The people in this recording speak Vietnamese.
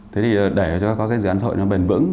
thế thì để cho các dự án xã hội nó bền vững